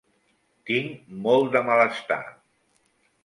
Tinc molt de malestar.